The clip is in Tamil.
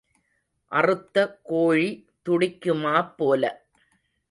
அறுத்த கோழி துடிக்குமாப் போல.